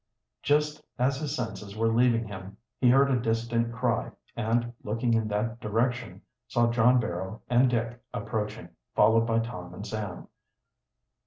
Just as his senses were leaving him he heard a distant cry, and looking in that direction, saw John Barrow and Dick approaching, followed by Tom and Sam.